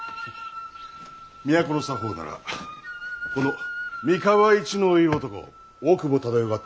都の作法ならこの三河一の色男大久保忠世が多少は心得ておる。